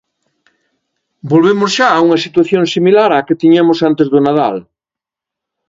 Volvemos xa a unha situación similar á que tiñamos antes do Nadal.